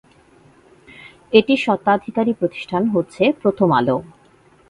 এটির স্বত্বাধিকারী প্রতিষ্ঠান হচ্ছে প্রথম আলো।